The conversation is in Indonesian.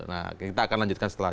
nah kita akan lanjutkan setelah